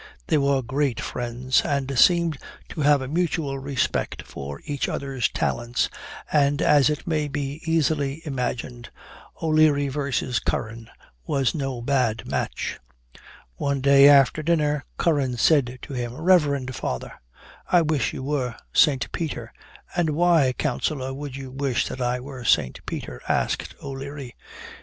They were great friends, and seemed to have a mutual respect for each other's talents and, as it may be easily imagined, O'Leary versus Curran was no bad match. "One day, after dinner, Curran said to him, 'Reverend father, I wish you were Saint Peter.' "'And why, Counsellor, would you wish that I were Saint Peter?' asked O'Leary.